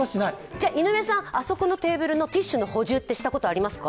じゃあ井上さん、あそこのテーブルのティッシュの補充ってしたことありますか？